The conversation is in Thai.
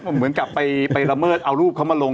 เหมือนกับไปละเมิดเอารูปเขามาลง